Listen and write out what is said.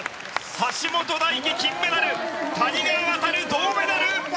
橋本大輝、金メダル谷川航、銅メダル！